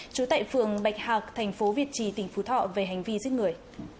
trú tại phường bạch hạc thành phố việt trì tỉnh phú thọ về hành vi giết người